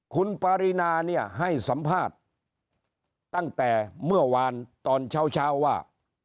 คุณปารีนาเนี่ยให้สัมภาษณ์ตั้งแต่เมื่อวานตอนเช้าว่า